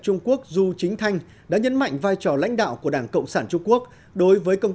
trung quốc du chính thanh đã nhấn mạnh vai trò lãnh đạo của đảng cộng sản trung quốc đối với công